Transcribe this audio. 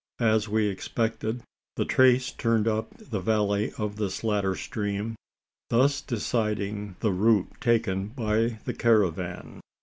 As we expected, the trace turned up the valley of this latter stream thus deciding the route taken by the caravan.